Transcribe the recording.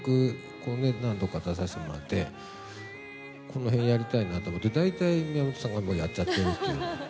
こうね何度か出させてもらってこの辺やりたいなと思うと大体宮本さんがもうやっちゃってるという。